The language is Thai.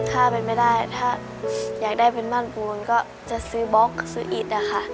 ถ้าเป็นไม่ได้ถ้าอยากได้เป็นบ้านปูนก็จะซื้อบล็อกซื้ออิดอะค่ะ